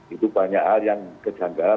itu banyak hal yang kejanggalan